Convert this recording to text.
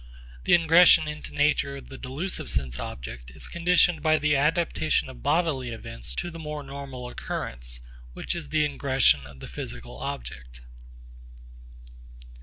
The ingression into nature of the delusive sense object is conditioned by the adaptation of bodily events to the more normal occurrence, which is the ingression of the physical object.